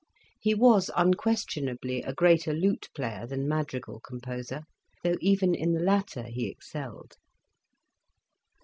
He was unquestionably a greater lute player than madrigal composer, though even in the latter he excelled.